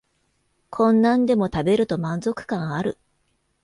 こんなんでも食べると満足感ある